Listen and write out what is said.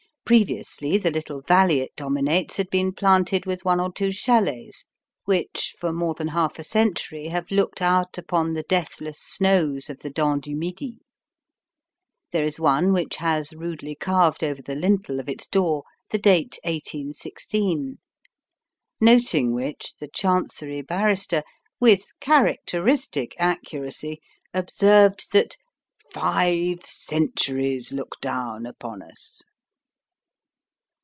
Previously the little valley it dominates had been planted with one or two chalets which for more than half a century have looked out upon the deathless snows of the Dent du Midi. There is one which has rudely carved over the lintel of its door the date 1816. Noting which, the Chancery Barrister, with characteristic accuracy, observed that "five centuries look down upon us."